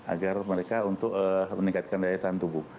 agar mereka untuk meningkatkan daya tahan tubuh